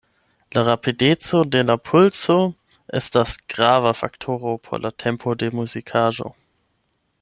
La rapideco de la pulso estas grava faktoro por la tempo de muzikaĵo.